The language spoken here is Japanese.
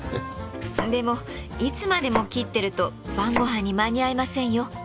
でもいつまでも切ってると晩ごはんに間に合いませんよ。